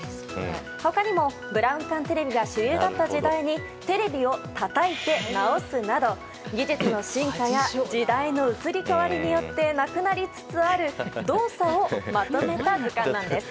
他にも、ブラウン管テレビが主流だった時代にテレビをたたいて直すなど技術の進化や時代の移り変わりによってなくなりつつある動作をまとめた図鑑なんです。